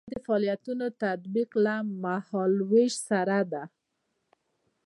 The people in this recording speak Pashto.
دا د فعالیتونو تطبیق له مهال ویش سره ده.